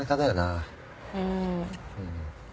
うん。